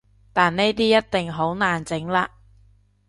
但呢啲一定好難整喇